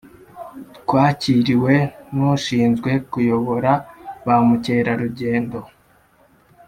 twakiriwe n’ushinzwe kuyobora ba mukerarugendo